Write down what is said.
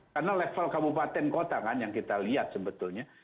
karena level kabupaten kota kan yang kita lihat sebetulnya